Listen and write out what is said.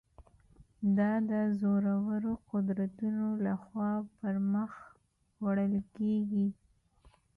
دا د زورورو قدرتونو له خوا پر مخ وړل کېږي.